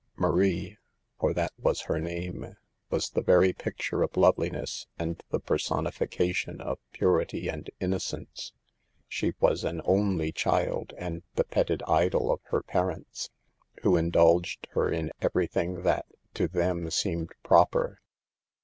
Marie — for that was her name — was the very picture of loveliness and the personification of purity and innocence. She was an only child and the petted idol of her parents, who in dulged her in everything that to them seemed proper.